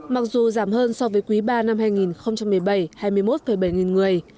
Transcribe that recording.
mặc dù giảm hơn so với quý ba năm hai nghìn một mươi bảy hai mươi một bảy nghìn người